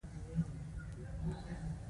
• شتمني که سمه وکارول شي، عزت راوړي.